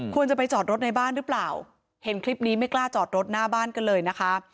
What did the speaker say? ควรจะไปจอดรถในบ้านหรือเปล่าเห็นคลิปนี้ไม่กล้าจอดรถหน้าบ้านกันเลยนะคะ